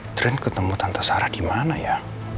catherine ketemu tante sarah dimana ya